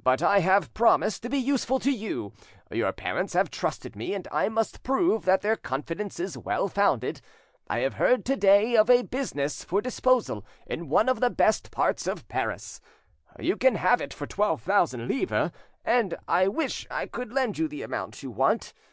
But I have promised to be useful to you, your parents have trusted me, and I must prove that their confidence is well founded. I have heard to day of a business for disposal in one of the best parts of Paris. You can have it for twelve thousand livres, and I wish I could lend you the amount you want.